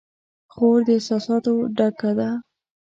خور د احساساتو ډکه ده.